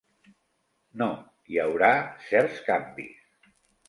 No, hi haurà certs canvis.